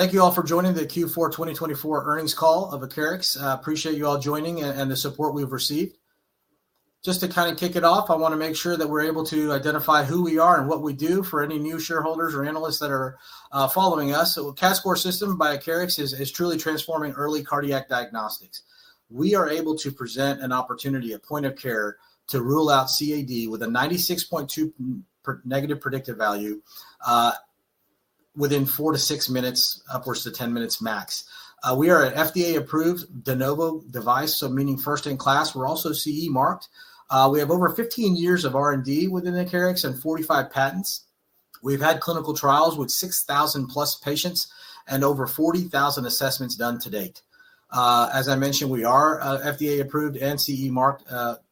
Thank you all for joining the Q4 2024 earnings call of Acarix. I appreciate you all joining and the support we've received. Just to kind of kick it off, I want to make sure that we're able to identify who we are and what we do for any new shareholders or analysts that are following us. The CADScor® System by Acarix is truly transforming early cardiac diagnostics. We are able to present an opportunity, a point of care to rule out CAD with a 96.2% negative predictive value within 4-6 minutes, upwards to 10 minutes max. We are an FDA-approved De Novo device, so meaning first in class. We're also CE marked. We have over 15 years of R&D within Acarix and 45 patents. We've had clinical trials with 6,000 plus patients and over 40,000 assessments done to date. As I mentioned, we are an FDA-approved and CE marked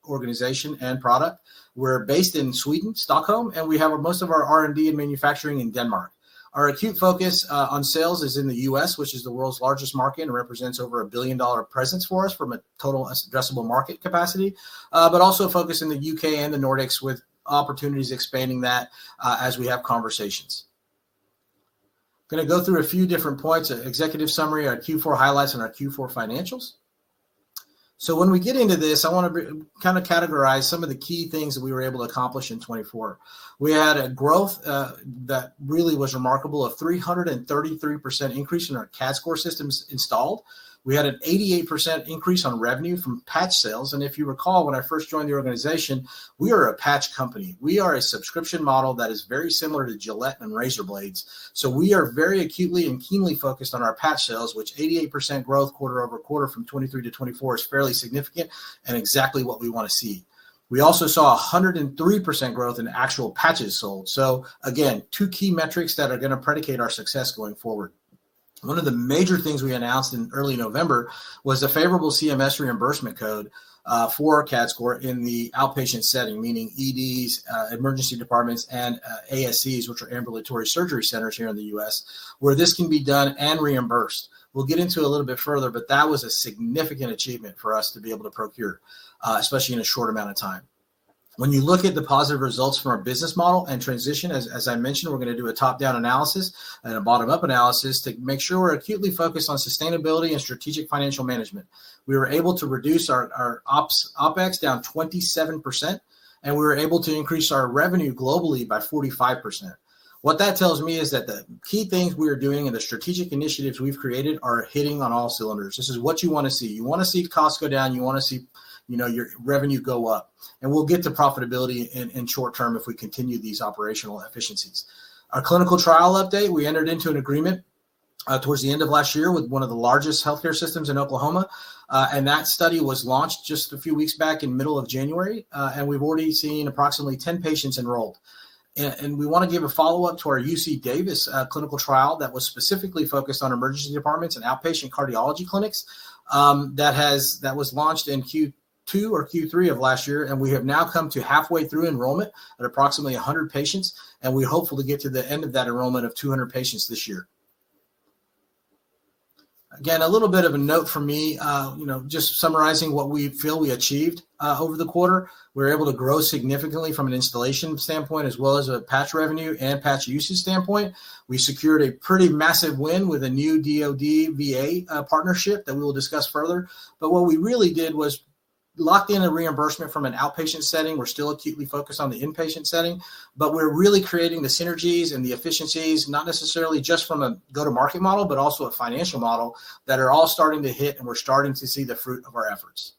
organization and product. We're based in Sweden, Stockholm, and we have most of our R&D and manufacturing in Denmark. Our acute focus on sales is in the U.S., which is the world's largest market and represents over a $1 billion presence for us from a total addressable market capacity, but also focus in the U.K. and the Nordics with opportunities expanding that as we have conversations. I'm going to go through a few different points, an executive summary, our Q4 highlights, and our Q4 financials. When we get into this, I want to kind of categorize some of the key things that we were able to accomplish in 2024. We had a growth that really was remarkable, a 333% increase in our CADScor® Systems installed. We had an 88% increase on revenue from patch sales. If you recall, when I first joined the organization, we are a patch company. We are a subscription model that is very similar to Gillette and razor blades. We are very acutely and keenly focused on our patch sales, which 88% growth quarter over quarter from 2023 to 2024 is fairly significant and exactly what we want to see. We also saw 103% growth in actual patches sold. Again, two key metrics that are going to predicate our success going forward. One of the major things we announced in early November was a favorable CMS reimbursement code for CADScor® in the outpatient setting, meaning EDs, emergency departments, and ASCs, which are ambulatory surgery centers here in the U.S., where this can be done and reimbursed. We'll get into a little bit further, but that was a significant achievement for us to be able to procure, especially in a short amount of time. When you look at the positive results from our business model and transition, as I mentioned, we're going to do a top-down analysis and a bottom-up analysis to make sure we're acutely focused on sustainability and strategic financial management. We were able to reduce our OpEx down 27%, and we were able to increase our revenue globally by 45%. What that tells me is that the key things we are doing and the strategic initiatives we've created are hitting on all cylinders. This is what you want to see. You want to see costs go down. You want to see your revenue go up. We'll get to profitability in short term if we continue these operational efficiencies. Our clinical trial update, we entered into an agreement towards the end of last year with one of the largest healthcare systems in Oklahoma. That study was launched just a few weeks back in the middle of January. We've already seen approximately 10 patients enrolled. We want to give a follow-up to our UC Davis clinical trial that was specifically focused on emergency departments and outpatient cardiology clinics that was launched in Q2 or Q3 of last year. We have now come to halfway through enrollment at approximately 100 patients. We're hopeful to get to the end of that enrollment of 200 patients this year. Again, a little bit of a note from me, just summarizing what we feel we achieved over the quarter. We were able to grow significantly from an installation standpoint as well as a patch revenue and patch usage standpoint. We secured a pretty massive win with a new DoD/VA partnership that we will discuss further. What we really did was lock in a reimbursement from an outpatient setting. We're still acutely focused on the inpatient setting, but we're really creating the synergies and the efficiencies, not necessarily just from a go-to-market model, but also a financial model that are all starting to hit, and we're starting to see the fruit of our efforts.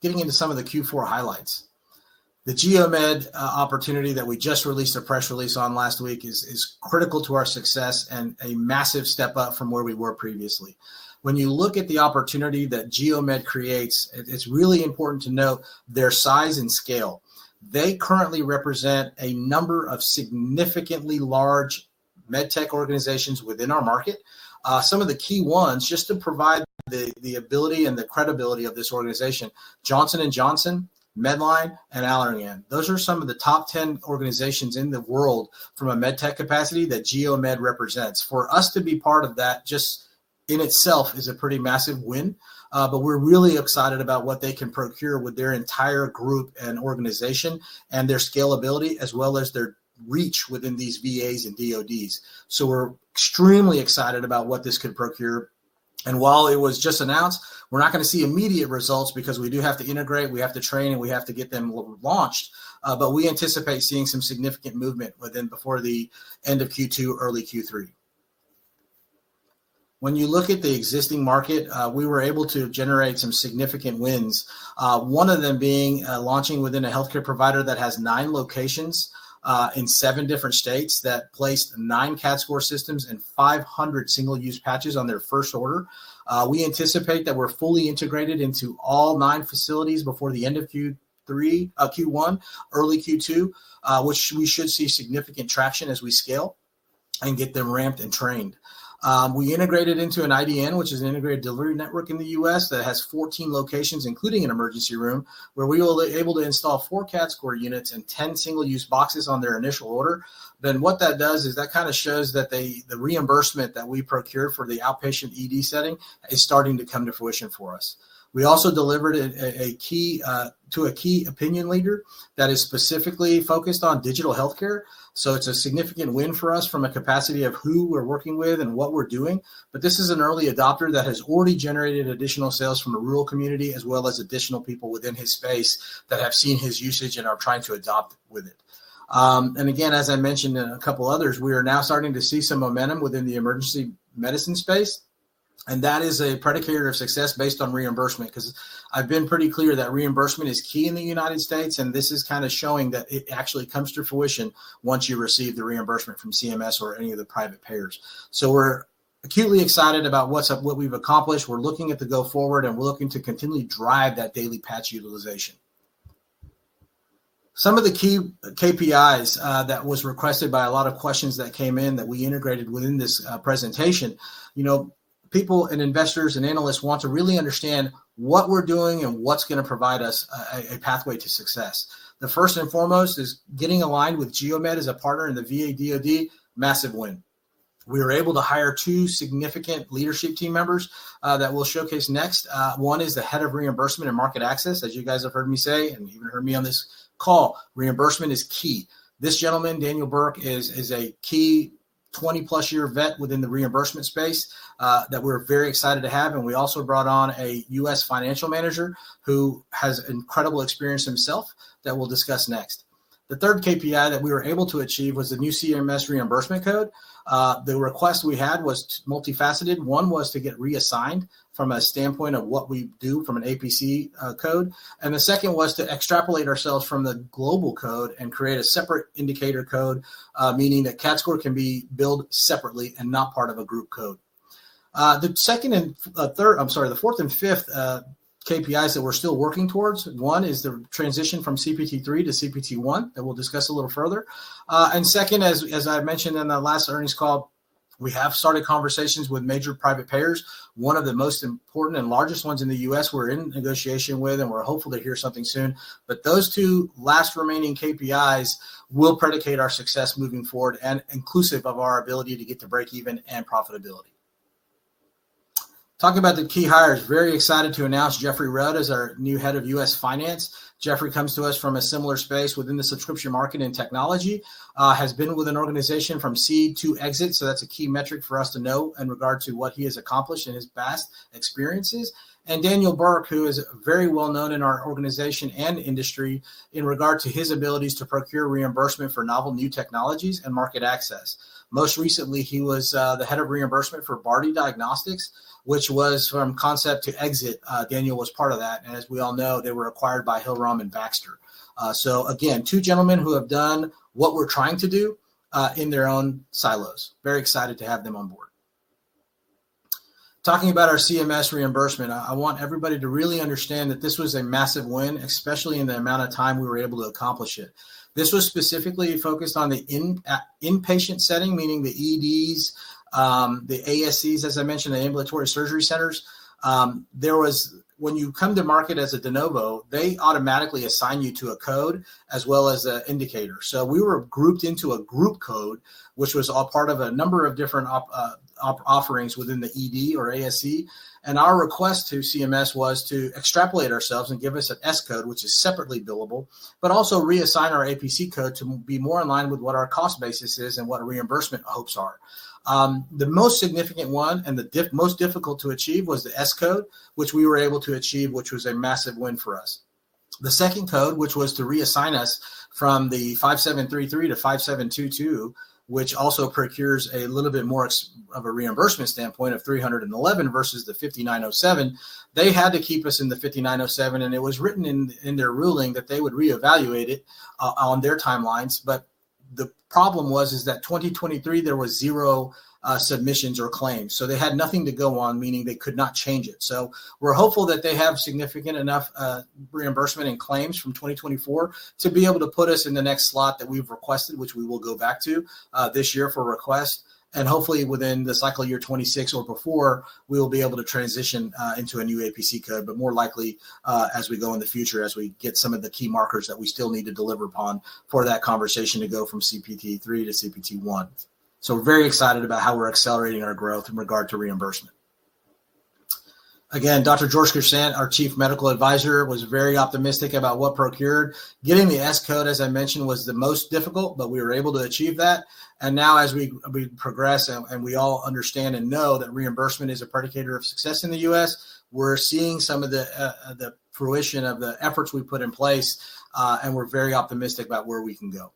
Getting into some of the Q4 highlights. The Geo-Med opportunity that we just released a press release on last week is critical to our success and a massive step up from where we were previously. When you look at the opportunity that Geo-Med creates, it's really important to note their size and scale. They currently represent a number of significantly large medtech organizations within our market. Some of the key ones, just to provide the ability and the credibility of this organization, Johnson & Johnson, Medline, and Allergan. Those are some of the top 10 organizations in the world from a MedTech capacity that Geo-Med represents. For us to be part of that just in itself is a pretty massive win. We are really excited about what they can procure with their entire group and organization and their scalability as well as their reach within these VAs and DoDs. We are extremely excited about what this could procure. While it was just announced, we are not going to see immediate results because we do have to integrate, we have to train, and we have to get them launched. We anticipate seeing some significant movement before the end of Q2, early Q3. When you look at the existing market, we were able to generate some significant wins, one of them being launching within a healthcare provider that has nine locations in seven different states that placed nine CADScor® Systems and 500 single-use patches on their first order. We anticipate that we're fully integrated into all nine facilities before the end of Q1, early Q2, which we should see significant traction as we scale and get them ramped and trained. We integrated into an IDN, which is an integrated delivery network in the United States that has 14 locations, including an emergency room, where we were able to install four CADScor® units and 10 single-use boxes on their initial order. That kind of shows that the reimbursement that we procured for the outpatient ED setting is starting to come to fruition for us. We also delivered to a key opinion leader that is specifically focused on digital healthcare. It is a significant win for us from a capacity of who we're working with and what we're doing. This is an early adopter that has already generated additional sales from a rural community as well as additional people within his space that have seen his usage and are trying to adopt with it. Again, as I mentioned in a couple of others, we are now starting to see some momentum within the emergency medicine space. That is a predicator of success based on reimbursement because I've been pretty clear that reimbursement is key in the United States. This is kind of showing that it actually comes to fruition once you receive the reimbursement from CMS or any of the private payers. We are acutely excited about what we've accomplished. We're looking at the go-forward, and we're looking to continue to drive that daily patch utilization. Some of the key KPIs that were requested by a lot of questions that came in that we integrated within this presentation, people and investors and analysts want to really understand what we're doing and what's going to provide us a pathway to success. The first and foremost is getting aligned with Geo-Med as a partner in the VA/DoD, massive win. We were able to hire two significant leadership team members that we'll showcase next. One is the Head of Reimbursement and Market Access, as you guys have heard me say and even heard me on this call. Reimbursement is key. This gentleman, Daniel Burke, is a key 20-plus-year vet within the reimbursement space that we're very excited to have. We also brought on a U.S. financial manager who has incredible experience himself that we'll discuss next. The third KPI that we were able to achieve was the new CMS reimbursement code. The request we had was multifaceted. One was to get reassigned from a standpoint of what we do from an APC code. The second was to extrapolate ourselves from the global code and create a separate indicator code, meaning that CADScor® can be billed separately and not part of a group code. The fourth and fifth KPIs that we're still working towards. One is the transition from CPT-3 to CPT-1 that we'll discuss a little further. As I mentioned in the last earnings call, we have started conversations with major private payers, one of the most important and largest ones in the U.S. we're in negotiation with, and we're hopeful to hear something soon. Those two last remaining KPIs will predicate our success moving forward and inclusive of our ability to get to break-even and profitability. Talking about the key hires, very excited to announce Jeffrey Rudd as our new Head of U.S. Finance. Jeffrey comes to us from a similar space within the subscription market and technology, has been with an organization from seed to exit. That's a key metric for us to know in regard to what he has accomplished and his past experiences. Daniel Burke, who is very well known in our organization and industry in regard to his abilities to procure reimbursement for novel new technologies and market access. Most recently, he was the head of reimbursement for Bardy Diagnostics, which was from concept to exit. Daniel was part of that. As we all know, they were acquired by Hillrom and Baxter. Two gentlemen who have done what we're trying to do in their own silos. Very excited to have them on board. Talking about our CMS reimbursement, I want everybody to really understand that this was a massive win, especially in the amount of time we were able to accomplish it. This was specifically focused on the inpatient setting, meaning the EDs, the ASCs, as I mentioned, the ambulatory surgery centers. When you come to market as a De Novo, they automatically assign you to a code as well as an indicator. We were grouped into a group code, which was all part of a number of different offerings within the ED or ASC. Our request to CMS was to extrapolate ourselves and give us an S code, which is separately billable, but also reassign our APC code to be more in line with what our cost basis is and what reimbursement hopes are. The most significant one and the most difficult to achieve was the S code, which we were able to achieve, which was a massive win for us. The second code, which was to reassign us from the 5733 to 5722, which also procures a little bit more of a reimbursement standpoint of 311 versus the 5907, they had to keep us in the 5907. It was written in their ruling that they would reevaluate it on their timelines. The problem was that in 2023, there were zero submissions or claims. They had nothing to go on, meaning they could not change it. We are hopeful that they have significant enough reimbursement and claims from 2024 to be able to put us in the next slot that we have requested, which we will go back to this year for request. Hopefully, within the cycle year 2026 or before, we will be able to transition into a new APC code, but more likely as we go in the future, as we get some of the key markers that we still need to deliver upon for that conversation to go from CPT-3 to CPT-1. We are very excited about how we are accelerating our growth in regard to reimbursement. Again, Dr. George Chrysant, our Chief Medical Advisor, was very optimistic about what procured. Getting the S code, as I mentioned, was the most difficult, but we were able to achieve that. Now, as we progress and we all understand and know that reimbursement is a predicator of success in the U.S., we're seeing some of the fruition of the efforts we put in place, and we're very optimistic about where we can go.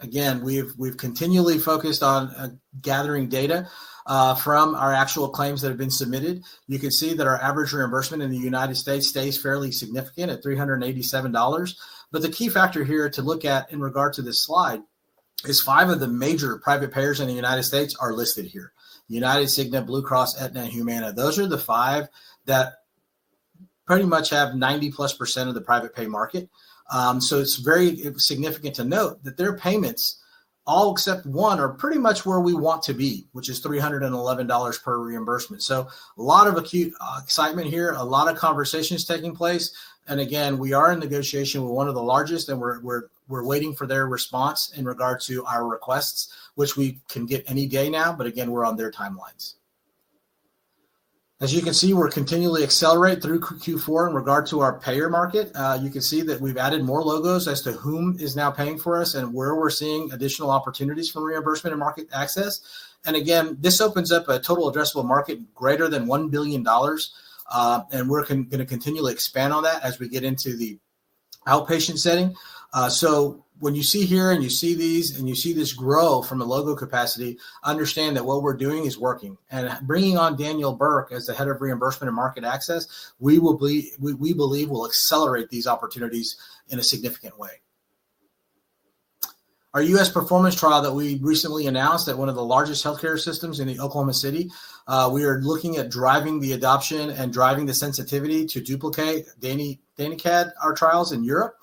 Again, we've continually focused on gathering data from our actual claims that have been submitted. You can see that our average reimbursement in the United States stays fairly significant at $387. The key factor here to look at in regard to this slide is five of the major private payers in the United States are listed here: UnitedHealthcare, Cigna, Blue Cross Blue Shield, Aetna, and Humana. Those are the five that pretty much have 90+% of the private pay market. It is very significant to note that their payments, all except one, are pretty much where we want to be, which is $311 per reimbursement. There is a lot of acute excitement here, a lot of conversations taking place. Again, we are in negotiation with one of the largest, and we are waiting for their response in regard to our requests, which we can get any day now. Again, we are on their timelines. As you can see, we are continually accelerating through Q4 in regard to our payer market. You can see that we have added more logos as to whom is now paying for us and where we are seeing additional opportunities for reimbursement and market access. Again, this opens up a total addressable market greater than $1 billion. We are going to continually expand on that as we get into the outpatient setting. When you see here and you see these and you see this grow from a logo capacity, understand that what we are doing is working. Bringing on Daniel Burke as the Head of Reimbursement and Market Access, we believe will accelerate these opportunities in a significant way. Our U.S. performance trial that we recently announced at one of the largest healthcare systems in Oklahoma City, we are looking at driving the adoption and driving the sensitivity to duplicate Dan-NICAD, our trials in Europe,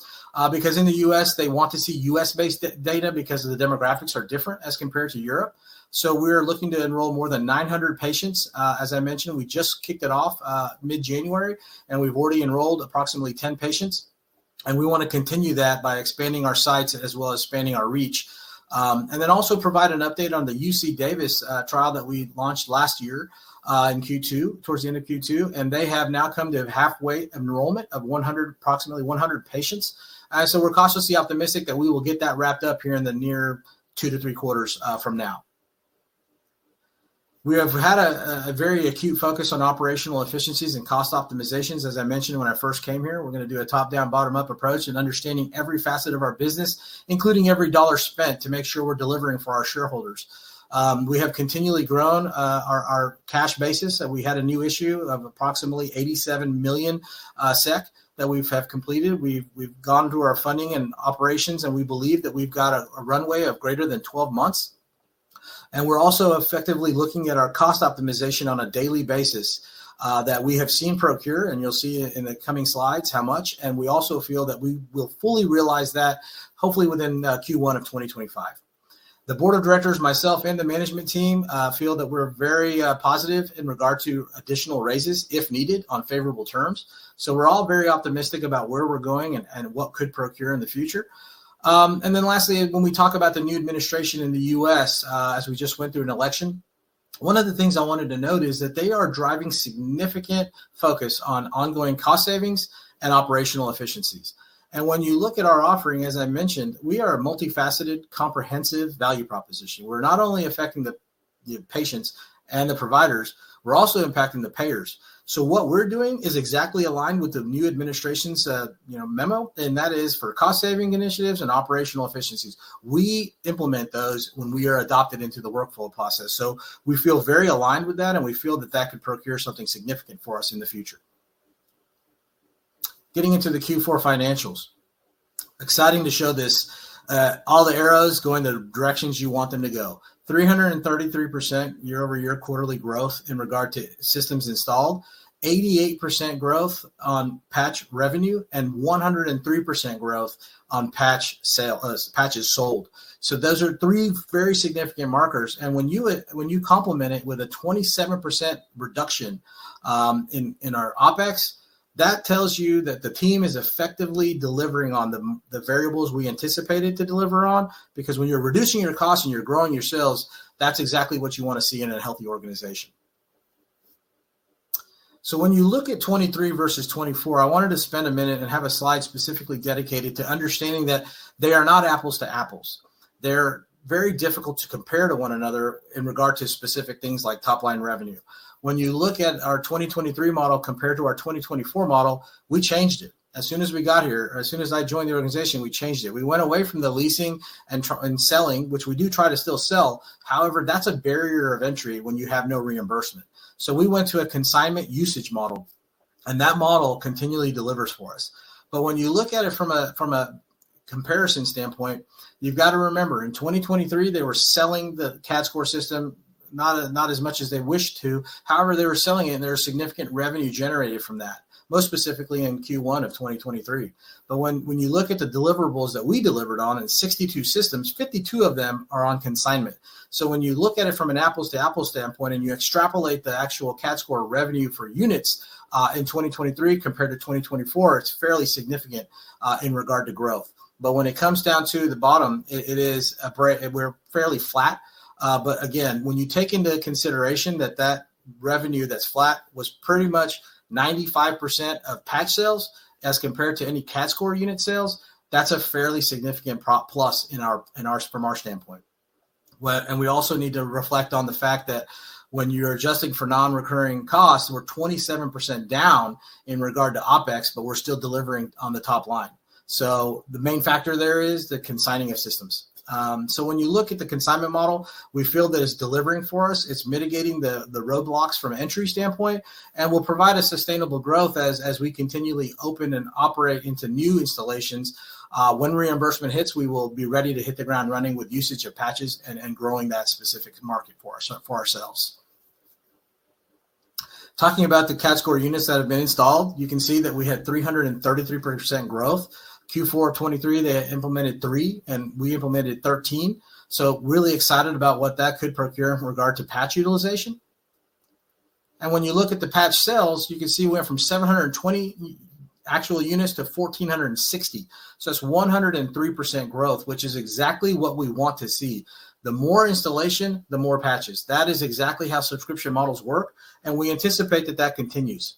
because in the U.S., they want to see U.S.-based data because the demographics are different as compared to Europe. We are looking to enroll more than 900 patients. As I mentioned, we just kicked it off mid-January, and we have already enrolled approximately 10 patients. We want to continue that by expanding our sites as well as expanding our reach. We also provide an update on the UC Davis trial that we launched last year in Q2, towards the end of Q2. They have now come to halfway enrollment of approximately 100 patients. We are cautiously optimistic that we will get that wrapped up here in the near two to three quarters from now. We have had a very acute focus on operational efficiencies and cost optimizations. As I mentioned when I first came here, we are going to do a top-down, bottom-up approach in understanding every facet of our business, including every dollar spent, to make sure we are delivering for our shareholders. We have continually grown our cash basis. We had a new issue of approximately 87 million SEK that we have completed. We've gone through our funding and operations, and we believe that we've got a runway of greater than 12 months. We're also effectively looking at our cost optimization on a daily basis that we have seen procure, and you'll see in the coming slides how much. We also feel that we will fully realize that hopefully within Q1 of 2025. The Board of Directors, myself, and the management team feel that we're very positive in regard to additional raises, if needed, on favorable terms. We are all very optimistic about where we're going and what could procure in the future. Lastly, when we talk about the new administration in the U.S., as we just went through an election, one of the things I wanted to note is that they are driving significant focus on ongoing cost savings and operational efficiencies. When you look at our offering, as I mentioned, we are a multifaceted, comprehensive value proposition. We're not only affecting the patients and the providers, we're also impacting the payers. What we're doing is exactly aligned with the new administration's memo, and that is for cost-saving initiatives and operational efficiencies. We implement those when we are adopted into the workflow process. We feel very aligned with that, and we feel that that could procure something significant for us in the future. Getting into the Q4 financials, exciting to show this, all the arrows going the directions you want them to go. 333% year-over-year quarterly growth in regard to systems installed, 88% growth on patch revenue, and 103% growth on patches sold. Those are three very significant markers. When you complement it with a 27% reduction in our OpEx, that tells you that the team is effectively delivering on the variables we anticipated to deliver on. Because when you're reducing your costs and you're growing your sales, that's exactly what you want to see in a healthy organization. When you look at 2023 versus 2024, I wanted to spend a minute and have a slide specifically dedicated to understanding that they are not apples to apples. They're very difficult to compare to one another in regard to specific things like top-line revenue. When you look at our 2023 model compared to our 2024 model, we changed it. As soon as we got here, or as soon as I joined the organization, we changed it. We went away from the leasing and selling, which we do try to still sell. However, that's a barrier of entry when you have no reimbursement. We went to a consignment usage model, and that model continually delivers for us. When you look at it from a comparison standpoint, you've got to remember, in 2023, they were selling the CADScor® System not as much as they wished to. They were selling it, and there was significant revenue generated from that, most specifically in Q1 of 2023. When you look at the deliverables that we delivered on in 62 systems, 52 of them are on consignment. When you look at it from an apples-to-apples standpoint and you extrapolate the actual CADScor® revenue for units in 2023 compared to 2024, it's fairly significant in regard to growth. When it comes down to the bottom, we're fairly flat. When you take into consideration that that revenue that's flat was pretty much 95% of patch sales as compared to any CADScor® unit sales, that's a fairly significant plus in our standpoint. We also need to reflect on the fact that when you're adjusting for non-recurring costs, we're 27% down in regard to OpEx, but we're still delivering on the top line. The main factor there is the consigning of systems. When you look at the consignment model, we feel that it's delivering for us. It's mitigating the roadblocks from an entry standpoint, and will provide a sustainable growth as we continually open and operate into new installations. When reimbursement hits, we will be ready to hit the ground running with usage of patches and growing that specific market for ourselves. Talking about the CADScor® units that have been installed, you can see that we had 333% growth. Q4 of 2023, they implemented 3, and we implemented 13. Really excited about what that could procure in regard to patch utilization. When you look at the patch sales, you can see we went from 720 actual units to 1,460. That's 103% growth, which is exactly what we want to see. The more installation, the more patches. That is exactly how subscription models work, and we anticipate that that continues.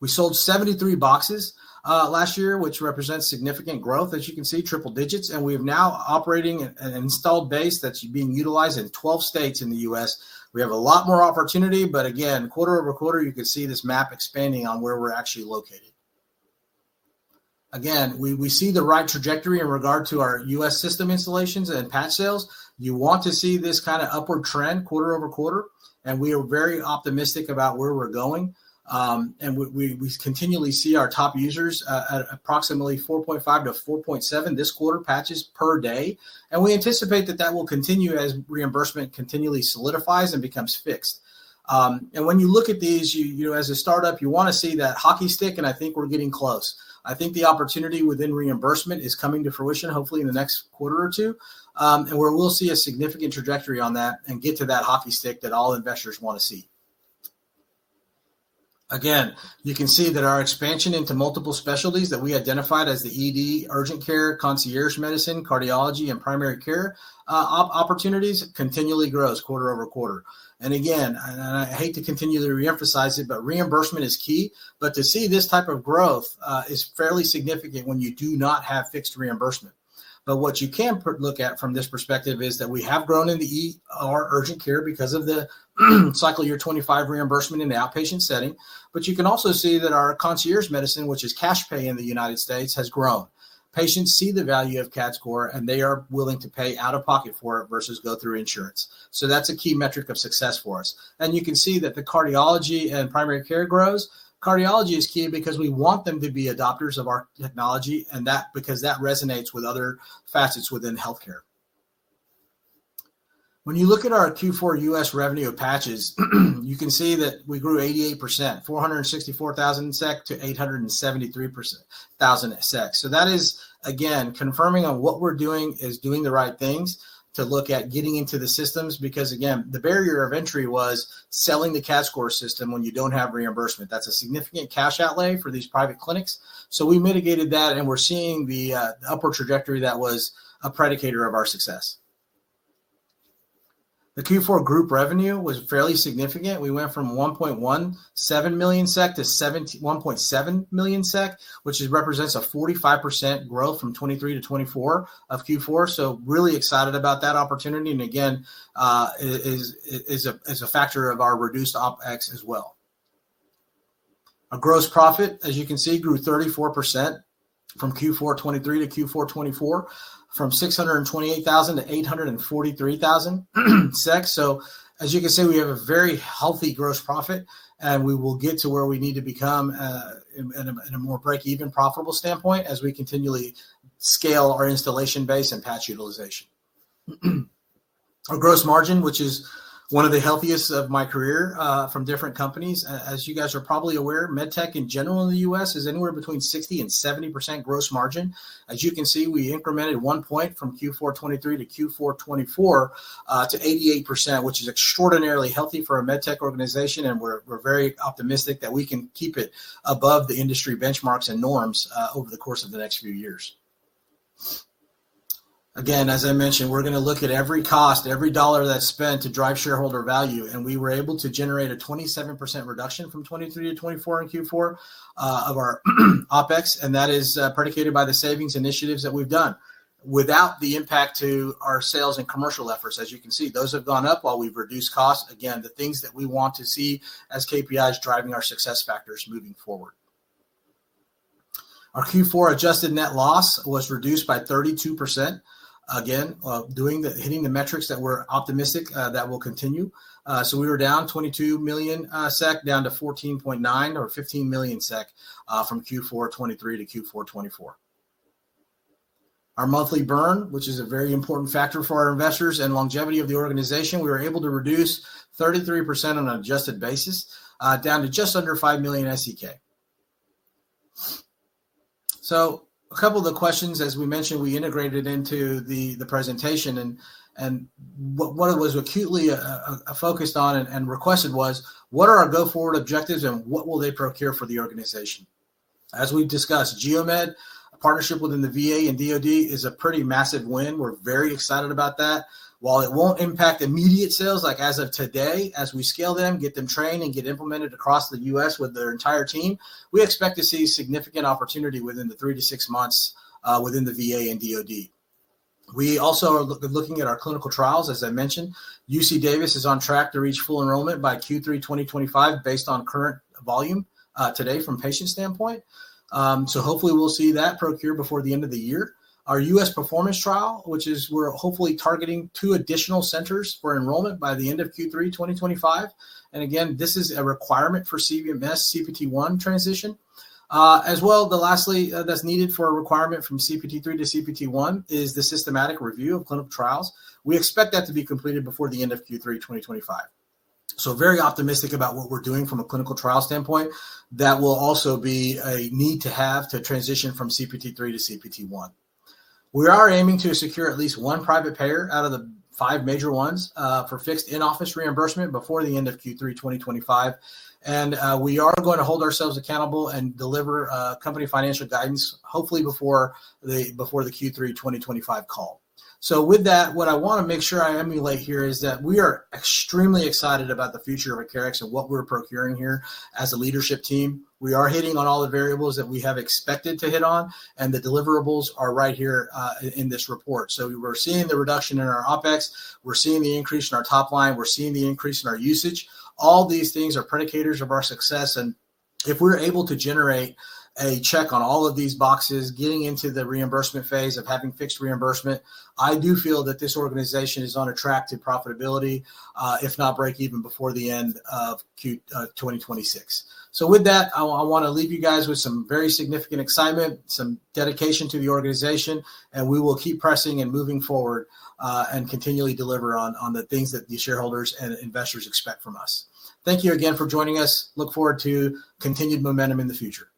We sold 73 boxes last year, which represents significant growth, as you can see, triple digits. We have now an operating and installed base that's being utilized in 12 states in the U.S. We have a lot more opportunity, but again, quarter over quarter, you can see this map expanding on where we're actually located. Again, we see the right trajectory in regard to our U.S. system installations and patch sales. You want to see this kind of upward trend quarter over quarter, and we are very optimistic about where we're going. We continually see our top users at approximately 4.5-4.7 this quarter patches per day. We anticipate that that will continue as reimbursement continually solidifies and becomes fixed. When you look at these, as a startup, you want to see that hockey stick, and I think we're getting close. I think the opportunity within reimbursement is coming to fruition, hopefully in the next quarter or two, and where we'll see a significant trajectory on that and get to that hockey stick that all investors want to see. Again, you can see that our expansion into multiple specialties that we identified as the ED, urgent care, concierge medicine, cardiology, and primary care opportunities continually grows quarter over quarter. I hate to continue to reemphasize it, but reimbursement is key. To see this type of growth is fairly significant when you do not have fixed reimbursement. What you can look at from this perspective is that we have grown in our urgent care because of the cycle year 2025 reimbursement in the outpatient setting. You can also see that our concierge medicine, which is cash pay in the United States, has grown. Patients see the value of CADScor®, and they are willing to pay out of pocket for it versus go through insurance. That is a key metric of success for us. You can see that the cardiology and primary care grows. Cardiology is key because we want them to be adopters of our technology and that resonates with other facets within healthcare. When you look at our Q4 U.S. revenue of patches, you can see that we grew 88%, 464,000 SEK to 873,000 SEK. That is, again, confirming what we're doing is doing the right things to look at getting into the systems because, again, the barrier of entry was selling the CADScor® System when you don't have reimbursement. That's a significant cash outlay for these private clinics. We mitigated that, and we're seeing the upward trajectory that was a predicator of our success. The Q4 group revenue was fairly significant. We went from 1.17 million SEK to 1.7 million SEK, which represents 45% growth from 2023 to 2024 of Q4. Really excited about that opportunity. Again, it is a factor of our reduced OpEx as well. Our gross profit, as you can see, grew 34% from Q4 2023 to Q4 2024, from 628,000 to 843,000. As you can see, we have a very healthy gross profit, and we will get to where we need to become in a more break-even, profitable standpoint as we continually scale our installation base and patch utilization. Our gross margin, which is one of the healthiest of my career from different companies, as you guys are probably aware, MedTech in general in the U.S. is anywhere between 60-70% gross margin. As you can see, we incremented one percentage point from Q4 2023 to Q4 2024 to 88%, which is extraordinarily healthy for a MedTech organization. We are very optimistic that we can keep it above the industry benchmarks and norms over the course of the next few years. Again, as I mentioned, we are going to look at every cost, every dollar that is spent to drive shareholder value. We were able to generate a 27% reduction from 2023 to 2024 in Q4 of our OpEx, and that is predicated by the savings initiatives that we have done without the impact to our sales and commercial efforts. As you can see, those have gone up while we have reduced costs. The things that we want to see as KPIs driving our success factors moving forward. Our Q4 adjusted net loss was reduced by 32%. Hitting the metrics that we are optimistic will continue. We were down 22 million SEK, down to 14.9 million or 15 million SEK from Q4 2023 to Q4 2024. Our monthly burn, which is a very important factor for our investors and longevity of the organization, we were able to reduce 33% on an adjusted basis down to just under 5 million SEK. A couple of the questions, as we mentioned, we integrated into the presentation. What it was acutely focused on and requested was, what are our go-forward objectives and what will they procure for the organization? As we've discussed, Geo-Med, a partnership within the VA and DoD, is a pretty massive win. We're very excited about that. While it will not impact immediate sales, like as of today, as we scale them, get them trained, and get implemented across the U.S. with their entire team, we expect to see significant opportunity within the 3-6 months within the VA and DoD. We also are looking at our clinical trials, as I mentioned. UC Davis is on track to reach full enrollment by Q3 2025 based on current volume today from a patient standpoint. Hopefully we'll see that procure before the end of the year. Our U.S. performance trial, which is we're hopefully targeting two additional centers for enrollment by the end of Q3 2025. Again, this is a requirement for CPT-1 transition. As well, the lastly that's needed for a requirement from CPT-3 to CPT-1 is the systematic review of clinical trials. We expect that to be completed before the end of Q3 2025. Very optimistic about what we're doing from a clinical trial standpoint that will also be a need to have to transition from CPT-3 to CPT-1. We are aiming to secure at least one private payer out of the five major ones for fixed in-office reimbursement before the end of Q3 2025. We are going to hold ourselves accountable and deliver company financial guidance, hopefully before the Q3 2025 call. What I want to make sure I emulate here is that we are extremely excited about the future of Acarix and what we're procuring here as a leadership team. We are hitting on all the variables that we have expected to hit on, and the deliverables are right here in this report. We are seeing the reduction in our OpEx. We are seeing the increase in our top line. We are seeing the increase in our usage. All these things are predicators of our success. If we are able to generate a check on all of these boxes, getting into the reimbursement phase of having fixed reimbursement, I do feel that this organization is on a track to profitability, if not break even before the end of Q2 2026. With that, I want to leave you guys with some very significant excitement, some dedication to the organization, and we will keep pressing and moving forward and continually deliver on the things that the shareholders and investors expect from us. Thank you again for joining us. Look forward to continued momentum in the future.